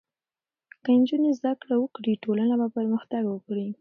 که نجونې زدهکړه وکړي، ټولنه به پرمختګ وکړي.